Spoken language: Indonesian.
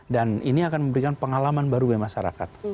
dan ini akan memberikan pengalaman baru bagi masyarakat